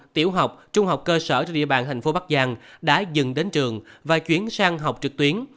tiểu học trung học cơ sở trên địa bàn thành phố bắc giang đã dừng đến trường và chuyển sang học trực tuyến